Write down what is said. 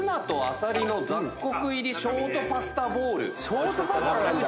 ショートパスタなんだ。